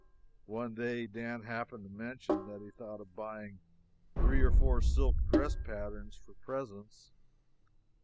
One day Dan happened to mention that he thought of buying three or four silk dress patterns for presents.